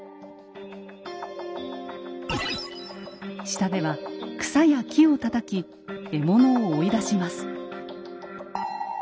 下では草や木をたたき獲物を追い出します。